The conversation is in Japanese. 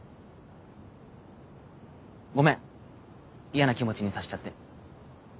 嫌な気持ちにさせちゃって。